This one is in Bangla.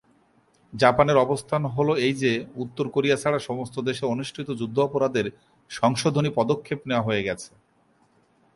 জাপানের অবস্থান হল এই যে, উত্তর কোরিয়া ছাড়া সমস্ত দেশে অনুষ্ঠিত যুদ্ধাপরাধের সংশোধনী পদক্ষেপ নেওয়া হয়ে গেছে।